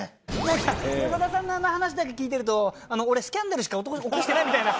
なんか山田さんのあの話だけ聞いてると俺スキャンダルしか起こしてないみたいな。